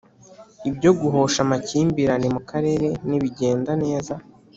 ibyo guhosha amakimbirane mu karere nibigenda neza,